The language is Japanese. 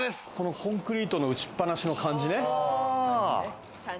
コンクリートの打ちっぱなしの感じね。